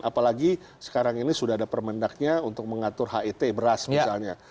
apalagi sekarang ini sudah ada permendaknya untuk mengatur het beras misalnya